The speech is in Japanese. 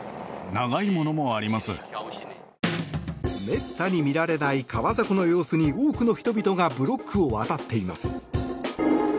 めったに見られない川底の様子に多くの人々がブロックを渡っています。